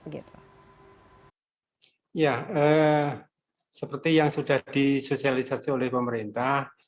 ya seperti yang sudah disosialisasi oleh pemerintah